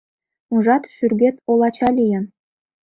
Ужат, шӱргет олача лийын.